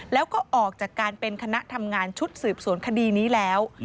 แล้วก็ออกจากการเป็นคณะทำงานชุดสืบสวนคดีนี้แล้ว